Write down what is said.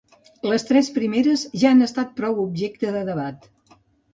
Les tres primeres ja han estat prou objecte de debat.